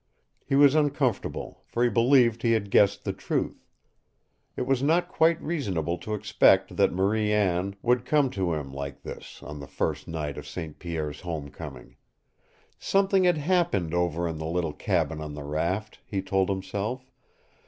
He was uncomfortable, for he believed he had guessed the truth. It was not quite reasonable to expect that Marie Anne would come to him like this on the first night of St. Pierre's homecoming. Something had happened over in the little cabin on the raft, he told himself.